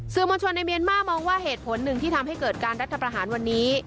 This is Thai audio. มวลชนในเมียนมาร์มองว่าเหตุผลหนึ่งที่ทำให้เกิดการรัฐประหารวันนี้